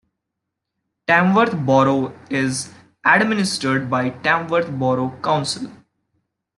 Tamworth Borough is administered by Tamworth Borough Council.